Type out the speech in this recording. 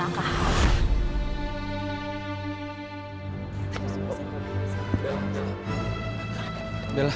itu kan namanya serakah